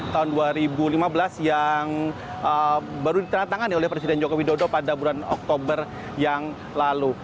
tahun dua ribu lima belas yang baru ditandatangani oleh presiden joko widodo pada bulan oktober yang lalu